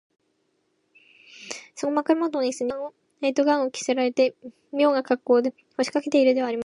その枕もとのイスには、小林少年がおとなのナイト・ガウンを着せられて、みょうなかっこうで、こしかけているではありませんか。